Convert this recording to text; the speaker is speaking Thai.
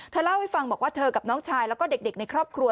เล่าให้ฟังบอกว่าเธอกับน้องชายแล้วก็เด็กในครอบครัว